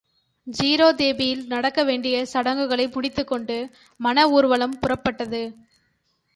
Zero தேபியில் நடக்க வேண்டிய சடங்குகளை முடித்துக் கொண்டு மண ஊர்வலம் புறப்பட்டது.